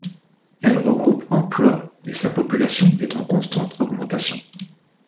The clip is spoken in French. Elle regroupe emplois et sa population est en constante augmentation.